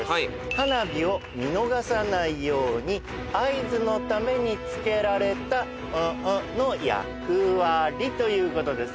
花火を見逃さないように合図のためにつけられたの役割ということです。